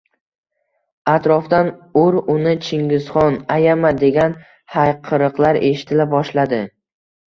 Atrofdan: “Ur uni, Chingizxon!”, “Ayama!” degan hayqiriqlar eshitila boshladi.